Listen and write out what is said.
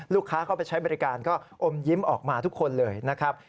เข้าไปใช้บริการก็อมยิ้มออกมาทุกคนเลยนะครับ